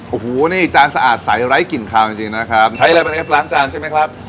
โอ้โหนี่จานสะอาดใสไร้กลิ่นคาวจริงจริงนะครับใช้อะไรเป็นเอฟล้างจานใช่ไหมครับ